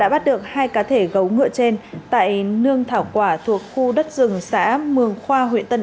bắt được hai cá thể gấu ngựa trên tại nương thảo quả thuộc khu đất rừng xã mường khoa huyện tân